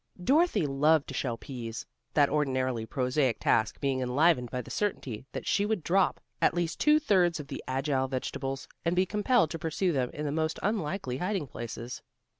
Dorothy loved to shell peas, that ordinarily prosaic task being enlivened by the certainty that she would drop at least two thirds of the agile vegetables, and be compelled to pursue them into the most unlikely hiding places.